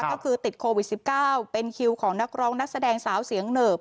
ก็คือติดโควิด๑๙เป็นคิวของนักร้องนักแสดงสาวเสียงเหนิบ